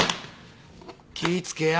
気ぃ付けや。